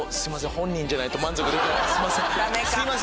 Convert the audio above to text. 本人じゃないと満足できないです。